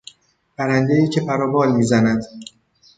پرندهای که پر و بال میزند